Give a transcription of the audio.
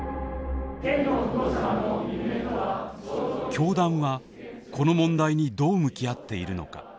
教団はこの問題にどう向き合っているのか。